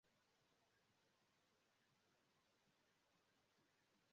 La komunumo situas en Jura, en la centra parto de Burgonjo-Franĉkonteo.